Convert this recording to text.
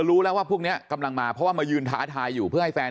รู้แล้วว่าพวกนี้กำลังมาเพราะว่ามายืนท้าทายอยู่เพื่อให้แฟน